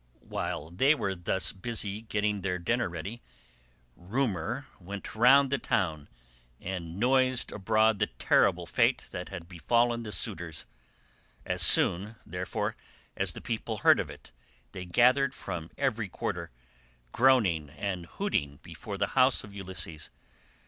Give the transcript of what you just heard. While they were thus busy getting their dinner ready, Rumour went round the town, and noised abroad the terrible fate that had befallen the suitors; as soon, therefore, as the people heard of it they gathered from every quarter, groaning and hooting before the house of Ulysses.